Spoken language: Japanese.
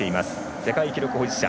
世界記録保持者。